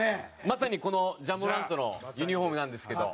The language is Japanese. まさにこのジャ・モラントのユニホームなんですけど。